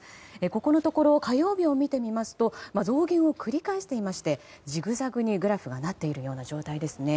ここのところ火曜日を見てみますと増減を繰り返していましてジグザグにグラフはなっている状態ですね。